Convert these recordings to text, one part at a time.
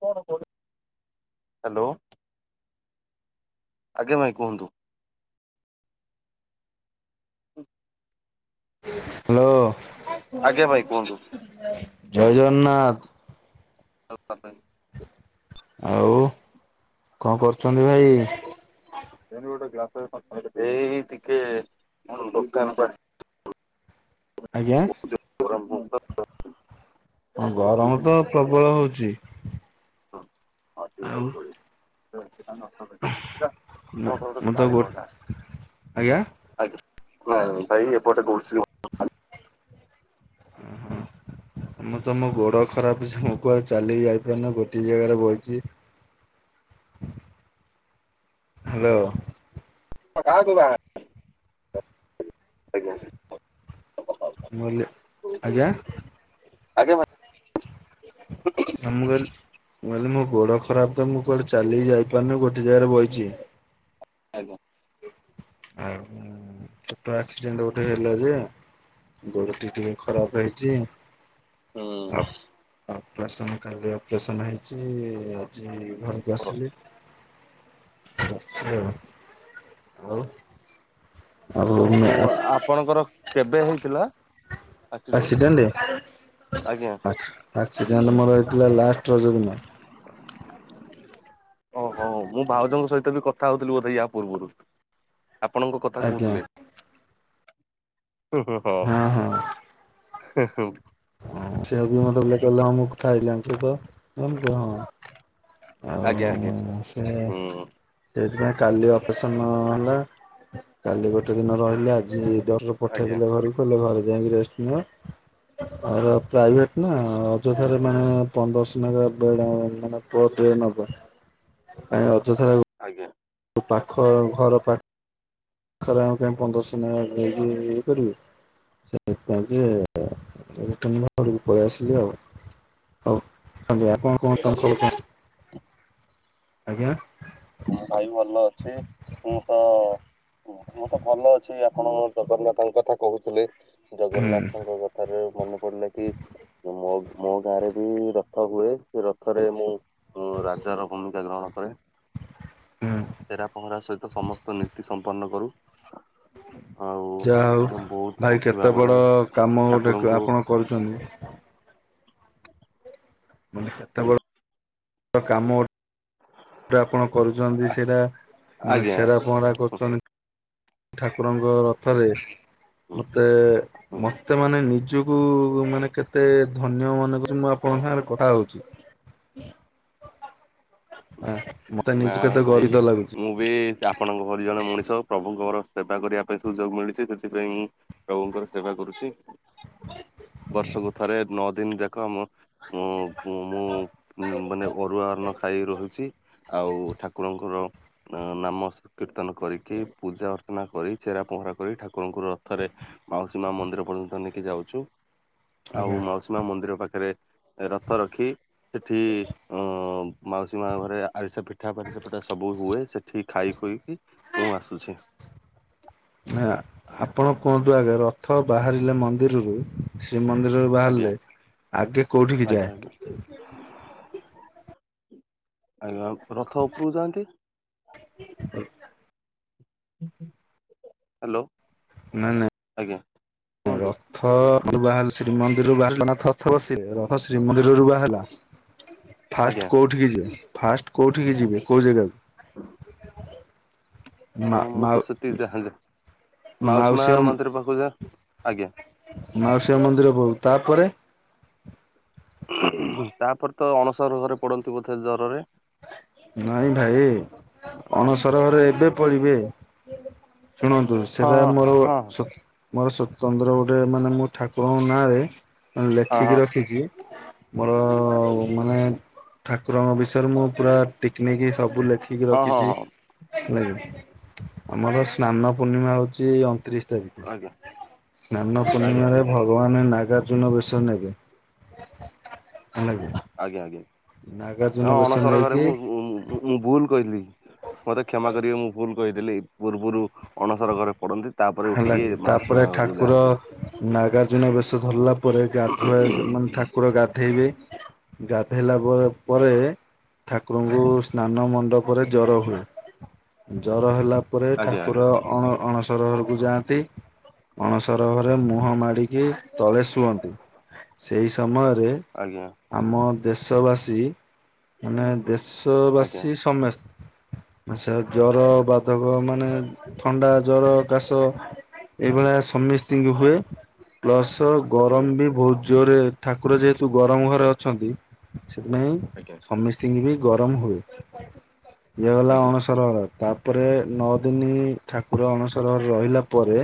[unintelligible] Hello. ଆଜ୍ଞ ଭାଇ କୁହନ୍ତୁ। ହୁ ହ୍ୟାଲୋ। ଆଜ୍ଞା ଭାଇ କୁହନ୍ତୁ। ଜୟ ଜଗନ୍ନାଥ। [unintelligible] ଆଉ କଣ କରୁଚନ୍ତି ଭାଇ? ଏଇ ଟିକେ ଦୋକାନ [unintelligible] ଆଜ୍ଞା? ଗରମ ତ ପ୍ରବଳ ହଉଚି। [unintelligible] ଆଉ [unintelligible] ମୁଁ ମୁଁ ତ ଗୋ ଆଜ୍ଞା? ଆଜ୍ଞା ଏପ ଗ [unintelligible] ମୁଁ ତ ମୋ ଗୋଡ଼ ଖରାପ ଅଛି ସାଙ୍ଗ ମୁଁ କୁଆଡ଼େ ଆ ଚାଲିି ଯାଇପାରୁନି ଗୋଟିଏ ଜାଗାରେ ବଇଚି। ହ୍ୟାଲୋ। ହଁ ମୁଁ କହିଲି [unintelligible] ଆଜ୍ଞା ଆଜ୍ଞା [unintelligible] ଆ ମୁଁ କହିଲି ମୁଁ କହିଲି ମୋ ଗୋଡ଼ ଖରାପ ତ ମୁଁ କୁଆଡ଼େ ଚାଲିକି ଯାଇପାରୁନି ଗୋଟେ ଜାଗାରେ ବଇଚି। ଆଜ୍ଞା। ଆଉ ଛୋଟ ଆକ୍ସିଡେଣ୍ଟ ଗୋଟେ ହେଲା ଯେ ଗୋଡ଼ତ ଟିକେ ଖରାପ ହେଇଚି। ହୁଁ। ଅପରେସନ କାଲି ଅପରେସନ ହେଇଚି ଆଜି ଘରକୁ ଆସିଲି। ଅଛି ଆଉ। ଆଉ ଓହୋ ଆଉ ଆପଣଙ୍କର କେବେ ହେଇଥିଲା? ଆକ୍ସିଡେଣ୍ଟ ଆଜ୍ଞା ଆସି ଆକ୍ସିଡେଣ୍ଟ ମୋର ହେଇଥିଲା ଲାଷ୍ଟ ରଜ ଦିନ। ଓହୋ ମୁଁ ଭାଉଜଙ୍କ ସହିତ ବି କଥା କଥା ହୋଉଥିଲି ବୋଧେ ୟା ପୂର୍ବରୁ ଆପଣଙ୍କ କଥା ଆଜ୍ଞା କହୁଥିଲେ। ହଁ। ହଁ ସେଇଆକୁ ୟେ ମତେ କହୁଥିଲେ କଇଲେ ହଁ ମୁଁ କଥା ହେଇଥିଲି ଆଙ୍କ ସହିତ ନା ମୁଁ କଲି ହଁ। ଆଉ ଆଜ୍ଞା ଆଜ୍ଞା ସେ ହୁଁ ସେଇଥିପାଇଁ କାଲି ଅପରେସନ ହେଲା କାଲି ଗୋଟେ ଦିନ ରହିଲି ଆଜି ଜଷ୍ଟ ଆଜ୍ଞା ପଠେଇଦଲେ ଘରକୁ। କହିଲେ ଘରେ ଯାଇକି ରେଷ୍ଟ ନିଅ। ଆ ପ୍ରାଇଭେଟ ନା ଅଯଥାରେ ମାନେ ପନ୍ଦରଶ ନେଖା ବେଡ ଆ ମାନେ ପର ଡେ ନବ। କାଇ ଅଯଥାରେ ଆଜ୍ଞା। ପାଖ ଘର ପାଖ ଖରେ ଆମେ କାଇ ପନ୍ଦରଶହ ନେଖା ଦେଇକି ଇଏ କରିବୁ। ସେଥିପାଇଁ କି ରିଟନ ଘରକୁ ପଳେଇ ଆସିଲି ଆଉ। ଆଜ୍ଞା। [unintelligible] ଆଜ୍ଞା। ହଁ ଭାଇ ଭଲ ଅଛି। ମୁଁ ତ ମୁଁ ତ ଭଲ ଅଛି। ଆପଣ ଜଗନ୍ନାଥଙ୍କ କଥା କହୁଥିଲେ ହୁଁ ଜଗନ୍ନାଥଙ୍କ କ ଥାରୁ ମନେ ପଡ଼ିଲା କି ମୋ ମୋ ଗାଁରେ ବି ରଥ ହୁଏ, ସେ ରଥରେ ମୁଁ ମୁଁ ରାଜା ର ଭୂମିକା ଗ୍ରହଣ କରେ। ହୁଁ। ଛେରା ପହଁରା ସହିତ ସମସ୍ତ ନୀତି ସମ୍ପନ୍ନ କରୁ। ଆଉ ଯାହା ହଉ ବହୁତ ଭାଇ ଭକ୍ତି କେତେ ଭାବରେ ବଡ଼ କାମ ଗୋଟେ ଠାକୁରଙ୍କୁ ଆପଣ କରୁଚନ୍। ମାନେ କେତେ ବଡ଼ କାମ ଗୋଟେ ଆପଣ କରୁଚନ୍ତି, ଆ- ସେରା ମାନେ ଆଜ୍ଞା ଛେରା ପହଁରା କରୁଚନ୍ତି। ଠାକୁରଙ୍କ ରଥରେ ହୁଁ ମତେ ହୁଁ। ମତେ ମାନେ ନିଜୁ କୁ ମାନେ କେତେ ଧନ୍ୟ ମନେ କରୁଚି, ମୁଁ ଆପଣଙ୍କ ସାଙ୍ଗରେ କଥା ହଉଚି। ମତେ ନା ନିଜକୁ କେତେ ଗର୍ବିତ ଭାଇ ଲାଗୁଛି। ମୁଁ ମୁଁ ବି ଆପଣଙ୍କ ପରି ଜଣେ ମଣିଷ ପ୍ରଭୁଙ୍କର ସେବା କରିବା ପାଇଁ ସୁଯୋଗ ମିଳିଛି ସେଥିପାଇଁ ପ୍ରଭୁଙ୍କର ସେବା କରୁଚି, ବର୍ଷକୁ ଥରେ ନଅ ଦିନ ଯାକ ମୁଁ ମୁଁ ମାନେ ଅରୁଆ ଅର୍ନ ଖାଇ ରହି ଛି ଆଉ ଠାକୁରଙ୍କର ଅ ନାମ କୀର୍ତ୍ତନ କରିକି ପୂଜା ଅର୍ଚ୍ଚନା କରି ଚେରା ପହଁରା କରି ଠାକୁରଙ୍କୁ ରଥରେ ମାଉସୀ ମା ମନ୍ଦିର ପର୍ଯ୍ୟନ୍ତ ନେଇକି ଯାଉଚୁ ଆଉ ମାଉସୀ ମା ମନ୍ଦିର ପାଖରେ ରଥ ରଖି ସେଠି ଅ ମାଉସୀ ମା ଘରେ ଆରିସା ପିଠା ଫାରିସା ପିଠା ସବୁ ହୁଏ ସେଠି ଖାଇ ଖୁଆଇକି ମୁଁ ଆସୁଛି। ନା ଆପଣ କୁହନ୍ତୁ ଆଗେ ରଥ ବାହାରିଲେ ମନ୍ଦିରୁରୁ ଶ୍ରୀମନ୍ଦିରରୁ ଆଜ୍ଞା ବାହାରିଲେ ଆଗେ କୋଉଠିକି ଆଜ୍ଞା ଯାଏ? ଆଜ୍ଞା। ଆଜ୍ଞା ରଥ ଉପରକୁ ଯାଆନ୍ତି। [unintelligible] ହ୍ୟାଲୋ ନା ନା। ଆଜ୍ଞା। କୁହନ୍ତୁ ରଥ ରୁ [unintelligible] ଶ୍ରୀମନ୍ଦିର ରୁବା ହେଲା। ଫାଷ୍ଟ ଆଜ୍ଞା କୋଉଠିକି ଯିବେ ଫାଷ୍ଟ କୋଉଠିକି ଯିବେ କୋଉ ଜେଗାକୁ? [unintelligible] ମା ହଁ ମୁଁ ମା ତ ସେତିକି ଯାହା ଯା ମାଉସୀ ମା ମନ୍ଦିର ପାଖକୁ ଯା ଆଜ୍ଞା। ମାଉସୀ ମା ମନ୍ଦିର ପାକୁ ତାପରେ ତାପରେ ତ ଅଣସର ଘରେ ପଡନ୍ତି ବୋଧେ ଜରରେ? ନାଇଁ ଭାଇ ଆଉ ଅଣସର ଘରେ ଏବେ ପଡିବେ ଶୁଣନ୍ତୁ ହଁ ସେଟା ହଁ ମୋର ହଁ ମୋର ସୋତନ୍ତ୍ର ଗୋଟେ ମାନେ ମୁଁ ଠାକୁରଙ୍କ ନାଁରେ ମାନେ ହଁ ଲେଖିକି ହଁ ରଖିଛି। ମୋର ମାନେ ଠାକୁରଙ୍କ ବିଷୟରେ ମୁଁ ପୁରା ଟିକ ନିକି ସବୁ ଲେଖିକି ହଁ ହଁ ରଖିଚି। ହଁ ହେଲା କି ଆମର ସ୍ନାନ ପୂର୍ଣ୍ଣିମା ହଉଚି ଅଣତିରିଶ ତାରିକି ଆଜ୍ଞା ସ୍ନାନ ଆଜ୍ଞା ଆଜ୍ଞା ପୂର୍ଣ୍ଣିମାରେ ଭ ଭଗବାନ ନାଗାର୍ଜୁନ ବେଶ ନେବେ ହେଲା କି ଆଜ୍ଞା ଆଜ୍ଞା ନାଗାର୍ଜୁନ ହଁ ବେଶ ଅନଣସର ଘରେ ନେଇକି ମୁଁ ମୁଁ ମୁଁ ଭୁଲ କହିଦେଲି ମତେ କ୍ଷମା କରିବେ ମୁଁ ଭୁଲ କହିଦେଲି ପୂର୍ବରୁ ଅଣସର ଘରେ ପଡ଼ନ୍ତି। ହେଲା କି ତାପରେ ଠାକୁର ନାଗାର୍ଜୁନ ବେଶ ଧରିଲା ପରେ ଗାଧୁଆ ମାନେ ଠାକୁର ଗାଧେଇବେ। ଗାଧେଇଲା ପ ପରେ ଠାକୁରଙ୍କୁ ସ୍ନାନ ମଣ୍ଡପରେ ଜର ହୁଏ, ଜର ହେଲା ଉପରେ ଆଜ୍ଞା ଠାକୁର ଅଣ ଅଣସର ଘରକୁ ଯାଆନ୍ତି। ଅଣସର ଘରେ ମୁହଁ ମାଡିକି ତଳେ ଶୁଅନ୍ତି ସେଇ ସମୟରେ ଆଜ୍ଞା। ଆମ ଦେଶବାସୀ ମାନେ ଦେଶ ଆଜ୍ଞା ବାସୀ ସମେ ସେ ଜର ବାଧକ ମାନେ ଥଣ୍ଡା ଜର କାଶ ଏଇଭଳିଆ ସମୀସ୍ତ୍ରୀଙ୍କୁ ହୁଏ ପ୍ଲସ ଆଜ୍ଞା ଗରମ ବି ବହୁତ ଜୋରେ ଠାକୁର ଯେହେତୁ ଗରମ ଘରେ ଅଛନ୍ତି ସେଥିପାଇଁ ଆଜ୍ଞା ସମୀ ସ୍ତିଙ୍କି ବି ଗରମ ହୁଏ ଇଏ ଗଲା ଆଜ୍ଞା ଅଣସର ଘର ତା ତାପରେ ନଅ ଦିନି ଠାକୁର ଅଣସର ଘରେ ରହିଲା ପରେ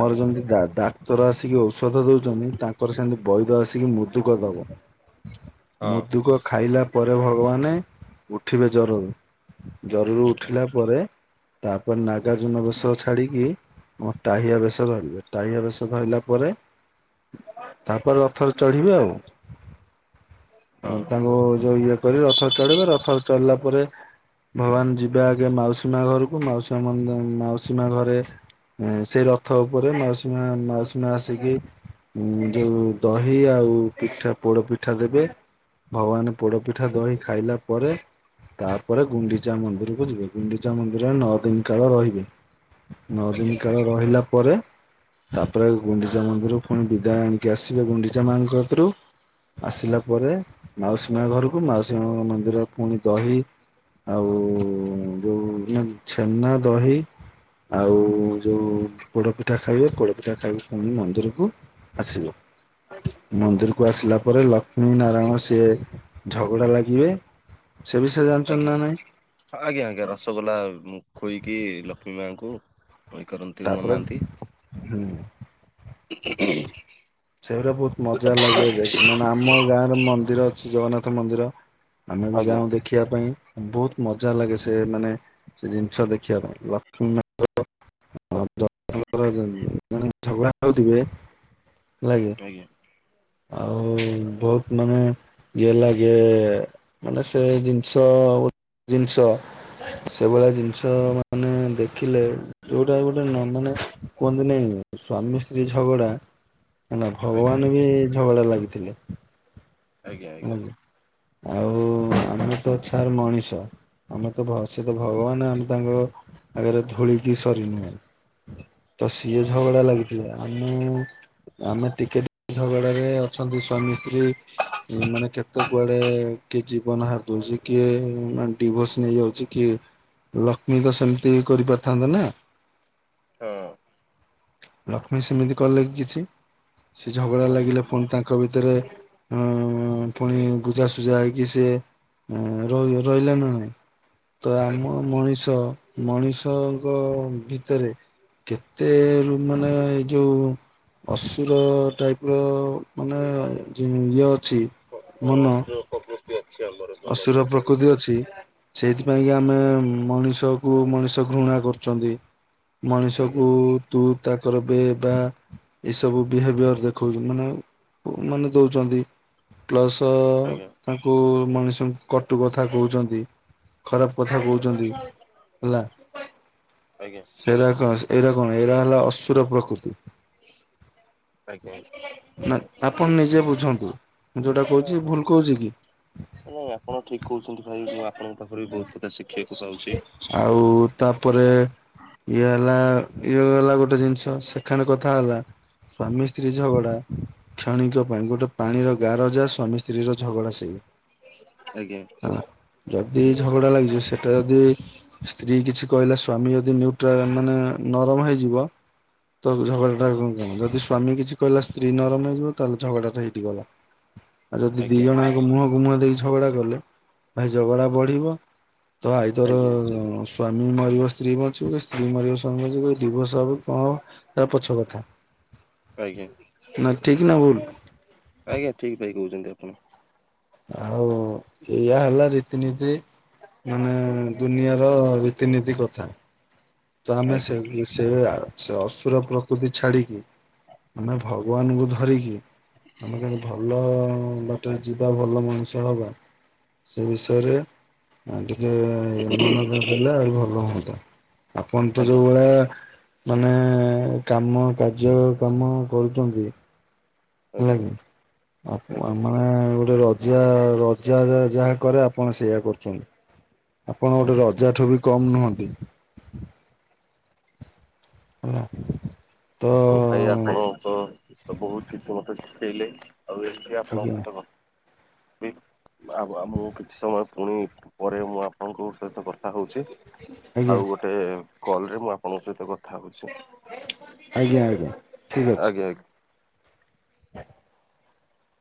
ଆଜ୍ଞା ଆଜ୍ଞା ଯେମତି ଗା ଦା ଡ଼ାକ୍ତର ଆସିକି ଔଷଧ ଦଉଛନ୍ତି ତାଙ୍କର ସେମିତି ବୈଦ ଆସିକି ମୁଦୁକ ଦବ। ହଁ ମୁଦୁକ ଖାଇଲା ପରେ ଭଗବାନ ଉଠିବେ ଜରରୁ। ଜରରୁ ଆଜ୍ଞା ଉଠିଲା ପରେ ତାପରେ ନାଗା ଜୁନ ବେଶ ଛାଡିକି ଆମ ଟାହିଆ ବେଶ ଧରିବେ ଟାହିଆ ବେଶ ଧରିଲା ପରେ ତାପରେ ରଥର ଚଢିବେ ଆଉ ହଁ ତାଙ୍କ ଯୋଉ ଇଏ କରି ରଥରେ ଚଢିବେ ରଥରେ ଚଢିଲା ପରେ ଭଗବାନ ଯିବେ ଆଗେ ମାଉସୀ ମା ଘରକୁ ମାଉସୀ ମା ମନ୍ଦି ମାଉସୀ ମା ଘରେ ସେ ରଥ ଉପରେ ମାଉସୀ ମା ମାଉସୀ ମା ଆସିକି ଯୋଉ ଦହି ଆଉ ପିଠା ପୋଡ ପିଠା ଦେବେ। ଭଗବାନ ପୋଡପିଠା ଦହି ଖାଇଲା ପରେ ତାପରେ ଗୁଣ୍ଡିଚା ମନ୍ଦିରକୁ ଯିବେ। ଗୁଣ୍ଡିଚା ମନ୍ଦିରରେ ନଅ ଦିନ କାଳ ରହିବେ। ନଅ ଆଜ୍ଞା ଦିନ କାଳେ ରହିଲା ପରେ ତାପରେ ଗୁଣ୍ଡିଚା ମନ୍ଦିରରୁ ପୁଣି ବିଦାୟ ଆଣିକି ଆସିବେ ଗୁଣ୍ଡିଚା ମାଙ୍କ କତିରୁ। ଆସିଲା ପରେ ମାଉସୀ ମା ଘରକୁ ମାଉସୀ ମାଙ୍କ ମନ୍ଦିରରେ ପୁଣି ଦହି ଆଉ ଯୋଉ ଛେନା ଦହି ଆଉ ଯୋଉ ପୋଡପିଠା ଖାଇବେ, ପୋଡପିଠା ଖାଇବେ ପୁଣି ମନ୍ଦିରକୁ ଆସିବେ। ମନ୍ଦିର କୁ ଆସିଲା ପରେ ଲକ୍ଷ୍ମୀ ନାରାୟଣ ସିଏ ଝଗଡା ଲାଗିବେ। ସେ ବିଷୟରେ ଜାଣିଛନ୍ତି ଆଜ୍ଞା ନା ନାଇଁ? ଆଜ୍ଞା ଆଜ୍ଞା ରସଗୋଲା ଖୋଇକି ଲକ୍ଷ୍ମୀ ମାଙ୍କୁ ଅଇ କରନ୍ତି ତାପରେ ମନାନ୍ତି। ହୁଁ ସେଗୁଡ଼ା ବହୁତ ମଜା ଲାଗେହେଲେ ମାନେ ଆମ ଗାଁରେ ମନ୍ଦିର ଅଛି ଜଗନ୍ନାଥ ମନ୍ଦିର ଆମେ ବି ଆଜ୍ଞା ଯାଉଁ ଦେଖିବା ପାଇଁ ବହୁତ ମଜା ଲାଗେ ସେ ମାନେ ସେ ଜିନିଷ ଦେଖିବାପାଇଁ ଲକ୍ଷ୍ମୀ ମାଙ୍କର [unintelligible] ଝଗଡ଼ା ହଉଥିବେ। ହେଲା କି। ଆଜ୍ଞା। ଆଉ ବହୁତ ମାନେ ଇଏ ଲାଗେ ମାନେ ସେ ଜିନିଷ ଜିନିଷ ସେଭଳିଆ ଜିନିଷ ମାନେ ଦେଖିଲେ ଯୋଉଟା ଗୁଟେ ନ ମାନେ କୁହନ୍ତି ନାଇଁ ସ୍ୱାମୀ ସ୍ତ୍ରୀ ଝଗଡା ନା ଆଜ୍ଞା ଭଗବାନ ଆଜ୍ଞା ବି ଝଗଡା ଲାଗିଥିଲେ। ଆଜ୍ଞା ଆଜ୍ଞା ଆଜ୍ଞା ଆଉ ଆମେ ତ ଛାର ମଣିଷ। ଆମେ ତ ସେ ତ ହଁ ଭଗବାନ ଆମେ ତାଙ୍କ ଆଗରେ ଧୂଳିକି ସରି ନୁହେଁ। ତ ସିଏ ଆଜ୍ଞା ଝଗଡା ଲାଗି ଆମେ ଆମେ ଟିକେ ଟିକେ ଝଗଡ଼ାରେ ଅଛନ୍ତି ସ୍ୱାମୀ ସ୍ତ୍ରୀ ଏ ମାନେ କେତେ କୁଆଡେ କିଏ ଜୀବନ ହାରି ଦଉଛି, କିଏ ମାନେ ଡିଭୋର୍ସ ନେଇଯାଉଛି, କିଏ ଲକ୍ଷ୍ମୀତ ସେମିତି କରିପାରିଥାନ୍ତ ନା? ହଁ। ଲକ୍ଷ୍ମୀ ସେମିତି କଲେ କିଛି ସେ ଝଗଡା ନାଇଁ ଲାଗିଲେ ନାଇଁ ପୁଣି ତା ଙ୍କ ଭିତରେ ଅଁ ପୁଣି ବୁଝାସୁଝା ହେଇକି ସେ ଏଁ ରହି ରହିଲା ନା ନାଇଁ? ତ ଆଜ୍ଞା ଆମ ମଣିଷ ମଣିଷଙ୍କ ଭିତରେ କେତେ ରୁ ମାନେ ଏଇ ଯୋଉ ଅସୁର ଟାଇପର ମାନେ ଯିଏ ଇଏ ଅଛି। ହଁ ମନ ଅସୁର। [unintelligible] ମନ ଅସୁର ମଣିଷ ପ୍ରକୃତି ଭିତରେ ଅଛି। ସେଇଥିପାଇଁ କି ଆମେ ମଣିଷ କୁ ମଣିଷ ଘୃଣା କରୁଛନ୍ତି। ଆଜ୍ଞା ମଣିଷକୁ ତୁ ତା କର ବେ ବା। ଏସବୁ ବିହେଭିୟର ଦେଖଉଛନ୍ତି ମାନେ ଉଁ ମାନେ ଦଉଛନ୍ତି। ପ୍ଲସ ଆଜ୍ଞା ତାଙ୍କୁ ମଣିଷଙ୍କୁ କଟୁ କଥା କହୁଛନ୍ତି। ଖରାପ କଥା ଆଜ୍ଞା କହୁଛନ୍ତି ହେଲା। ଆଜ୍ଞା। ସେରା କଣ ଏରା କଣ ଏରା ହେଲା ଅସୁର ପ୍ରକୃତି। ଆଜ୍ଞା ଆ ନା ଆପଣ ନିଜେ ବୁଝନ୍ତୁ। ମୁଁ ଯୋଉଟା ହଁ କହୁଛି ହଁ ଭୁଲ କହୁଛି କି? ନାଇଁ ଆପଣ ଠିକ କହୁଛନ୍ତି। ଭାଇ ମୁଁ ଆପଣଙ୍କ ପାଖରୁ ବି ବହୁତ ପ୍ରକାର ଶିଖିବାକୁ ପାଉଛି। ଆଉ ତାପରେ ଇଏ ହେଲା ଇଏ ହେଲା ଗୋଟେ ଜିନିଷ। ସେଖେଣ୍ଡ କଥା ହେଲା ସ୍ଵାମୀ, ସ୍ତ୍ରୀ ଝଗଡା କ୍ଷଣଙ୍କ ପାଇଁ ଗୋଟେ ପାଣିର ଗାର ଯା ସ୍ଵାମୀ, ସ୍ତ୍ରୀ ର ଝଗଡା ସେଇଆ। ଆଜ୍ଞା। ହେଲା ଯଦି ଝଗଡା ଲାଗିଚ ସେଟା ଯଦି ସ୍ତ୍ରୀ କିଛି କହିଲା ସ୍ଵାମୀ ଯଦି ନୁଟ୍ରା ମାନେ ନରମ ହେଇଯିବ। ତ ଝଗଡାଟା ଆଜ୍ଞା କଣ କଣ ଯଦି ସ୍ଵାମୀ କିଛି କହିଲା ସ୍ତ୍ରୀ ନରମ ହେଇଯିବ ତାହେଲେ ଝଗଡାଟା ହେଇଠି ଗଲା। ଆଉ ଯଦି ଦି ଆଜ୍ଞା ଜଣଙ୍କ ମୁହଁକୁ ମୁହଁ ଦେଇକି ଝଗଡା କଲେ ଭାଇ ଝଗଡା ବଢିବ। ତ ଆଇ ତର ଆଜ୍ଞା ଅ ସ୍ୱାମୀ ମରିବ ସ୍ତ୍ରୀ ବଞ୍ଚିବ କି ସ୍ତ୍ରୀ ମରିବ ସ୍ୱାମୀ [unintelligible] ଡିିବର୍ସ ହବ କଣ? ତା ପୋଛ କଥା। ଆଜ୍ଞା। ନା ଠିକ ନା ଭୁଲ। ଆଜ୍ଞା ଠିକ୍ ଭାଇ କହୁଛନ୍ତି ଆପଣ। ଆଉ ଏଇଆ ହେଲା ରୀତିନୀତି। ମାନେ ଦୁନିଆର ରୀତିନୀତି କଥା। ତ ଆମେ ସେ ଆଜ୍ଞା। ସେ ସେ ଅସୁର ପ୍ରକୃତି ଛାଡିକି ଆମେ ଭ ଭଗବାନଙ୍କୁ ଧରିକି ଆମେ କଣ ଭଲ ବା ଟ ଯିବା ଭଲ ମଣିଷ ହବା ସେ ବିଷୟରେ ଆଉ ଟିକେ ମନୋର ଦେଲେ ଆହୁରି ଭଲ ହୁଅନ୍ତା। ଆପଣ ତ ଯୋଉ ଆଜ୍ଞା ଭଳିଆ ମାନେ କାମ, କାର୍ଯ୍ୟ, କାମ କରୁଛନ୍ତି। ଆଜ୍ଞା ହେଲାଗି ଆ ଆଜ୍ଞା ଆମ ମେ ଗୋଟେ ରଜା ରଜା ଯାହା କରେ ଆପଣ ସେଇଆ କରୁଛନ୍ତି। ଆପଣ ଗୋଟେ ରଜା ଠୁ ବି କମ ନୁହନ୍ତି। ହେଲା। ତ ହଉ ଭାଇ ଆପଣ ତ ବହୁତ କିଛି ମତେ ଶିଖେଇଲେ ଆଉ ଏଠି ଆପଣଙ୍କ ଆଜ୍ଞା ସହିତ କଥା [unintelligible] ଆ ମୁଁ କିଛି ସମୟ ପୁଣି ପରେ ମୁଁ ଆପଣଙ୍କ ସହିତ କଥା ହଉଛି। ଆଜ୍ଞା ଆଉ ଗୋଟେ କଲରେ ମୁଁ ଆପଣଙ୍କ ସହିତ କଥା ହଉଛି। ଆଜ୍ଞା, ଆଜ୍ଞା। ଠିକ୍ ଅଛି। ଆଜ୍ଞା, ଆ [inaudible]